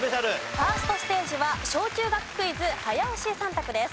ファーストステージは小中学クイズ早押し３択です。